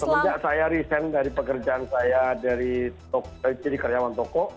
sebenarnya saya recent dari pekerjaan saya jadi karyawan toko